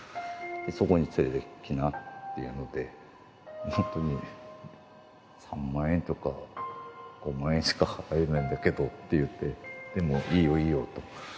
そこに連れてきなっていうので本当に「３万円とか５万円しか払えないんだけど」って言ってでも「いいよいいよ」とやってくれて。